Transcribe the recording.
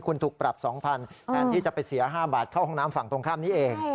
คุณถูกปรับ๒๐๐แทนที่จะไปเสีย๕บาทเข้าห้องน้ำฝั่งตรงข้ามนี้เอง